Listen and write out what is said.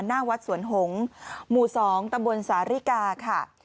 หน้าวัดสวนหงษ์หมู่๒ตำบลสาริกาค่ะ